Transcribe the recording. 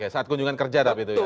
saat kunjungan kerja